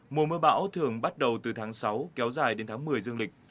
mùa mưa bão thường bắt đầu từ tháng sáu kéo dài đến tháng một mươi dương lịch